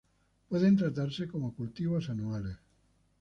Pueden tratarse como cultivos anuales.